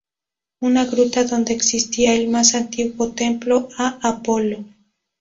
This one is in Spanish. Una gruta donde existía el más antiguo templo a Apolo.